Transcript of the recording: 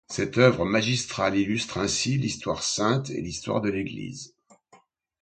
Cette œuvre magistrale illustre ainsi l'Histoire sainte et l'Histoire de l'Église.